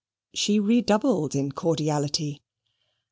She redoubled in cordiality.